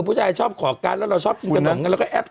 ผู้ชายชอบขอการ์ดแล้วเราชอบกินขนมกันแล้วก็แอป